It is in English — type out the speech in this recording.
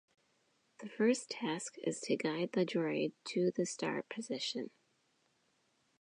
The first task is to guide the droid to the start position.